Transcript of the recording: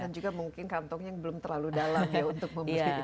dan juga mungkin kantongnya yang belum terlalu dalam ya untuk membeli